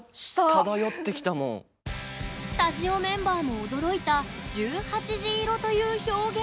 スタジオメンバーも驚いた「十八時色」という表現。